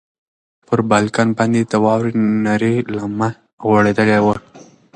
پر بالکن باندې د واورې نرۍ لمنه غوړېدلې وه.